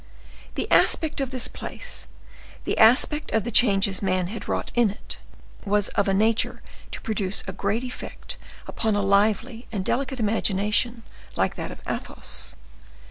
The aspect of this place, the aspect of the changes man had wrought in it, was of a nature to produce a great effect upon a lively and delicate imagination like that of Athos.